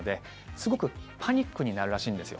すごくパニックになるらしいんですよ。